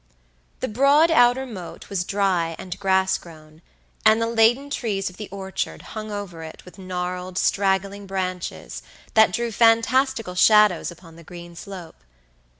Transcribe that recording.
The broad outer moat was dry and grass grown, and the laden trees of the orchard hung over it with gnarled, straggling branches that drew fantastical shadows upon the green slope.